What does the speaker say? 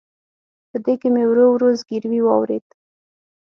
په دې کې مې ورو ورو زګیروي واورېد.